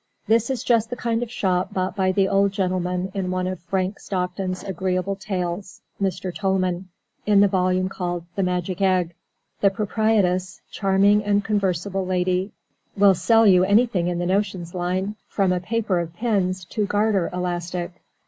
This is just the kind of shop bought by the old gentleman in one of Frank Stockton's agreeable tales, "Mr. Tolman," in the volume called "The Magic Egg". The proprietress, charming and conversable lady, will sell you anything in the "notions" line, from a paper of pins to garter elastic.